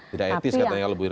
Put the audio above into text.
tidak etis katanya kalau bu irma